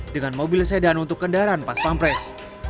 dengan mobil sedan untuk kendaraan pas pampres